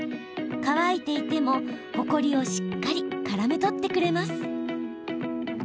乾いていても、ほこりをしっかりからめ捕ってくれます。